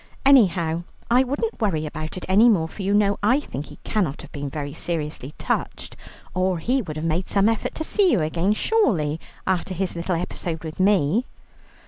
Anyhow I wouldn't worry about it any more, for you know I think he cannot have been very seriously touched, or he would have made some effort to see you again, surely, after his little episode with me."